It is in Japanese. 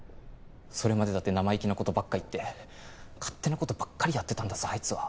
それまでだって生意気な事ばっか言って勝手な事ばっかりやってたんだぞあいつは。